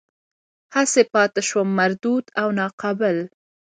هسې پاتې شوم مردود او ناقابل.